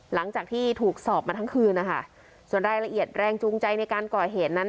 หลังจากที่ถูกสอบมาทั้งคืนนะคะส่วนรายละเอียดแรงจูงใจในการก่อเหตุนั้น